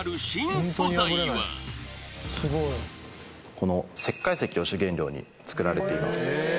この石灰石を主原料に作られています。